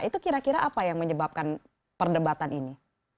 itu kira kira apa yang menyebabkan perdebatan ini